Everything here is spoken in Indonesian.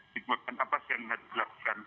dikumpulkan apa yang dilakukan